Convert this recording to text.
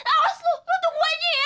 awas lo lo tunggu gue aja ya